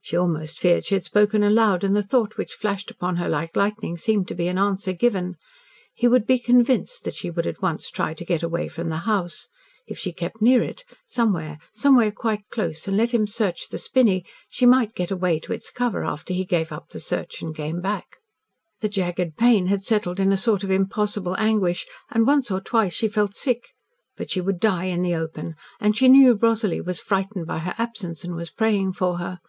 She almost feared she had spoken aloud, and the thought which flashed upon her like lightning seemed to be an answer given. He would be convinced that she would at once try to get away from the house. If she kept near it somewhere somewhere quite close, and let him search the spinney, she might get away to its cover after he gave up the search and came back. The jagged pain had settled in a sort of impossible anguish, and once or twice she felt sick. But she would die in the open and she knew Rosalie was frightened by her absence, and was praying for her.